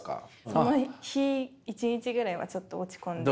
その日１日ぐらいはちょっと落ち込んで。